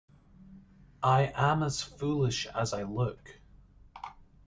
I am as foolish as I look.